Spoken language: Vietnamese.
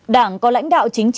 đảng có lãnh đạo chính trị